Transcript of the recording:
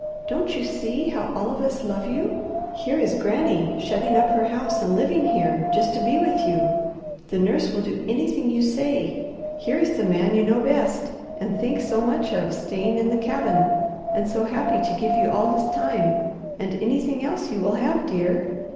Don't you see how all of us love you? Here is Granny shutting up her house and living here, just to be with you. The nurse will do anything you say. Here is the man you know best, and think so much of, staying in the cabin, and so happy to give you all his time, and anything else you will have, dear.